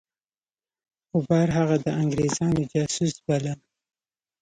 غبار هغه د انګرېزانو جاسوس باله.